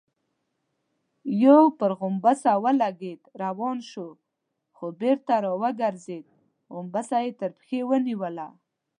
يو پر غومبسه ولګېد، روان شو، خو بېرته راوګرځېد، غومبسه يې تر پښې ونيوله.